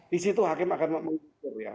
di situ hakim akan mengukur ya